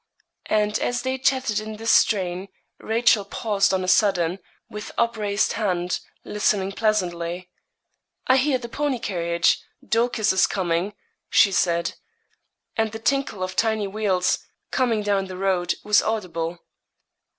And as they chatted in this strain, Rachel paused on a sudden, with upraised hand, listening pleasantly. 'I hear the pony carriage; Dorcas is coming,' she said. And the tinkle of tiny wheels, coming down the road, was audible.